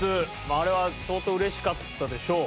あれは相当うれしかったでしょう。